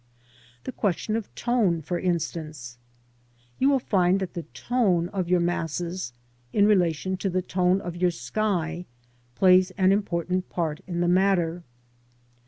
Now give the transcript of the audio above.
/ The question of tone , for instance. You will find that the tone of ^.^ ^TtAjt^^^ your masses, in relation to the tone of your sky, plays an important part in the matter.